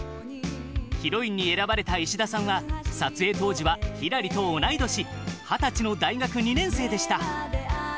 ヒロインに選ばれた石田さんは撮影当時は、ひらりと同い年二十歳の大学２年生でした。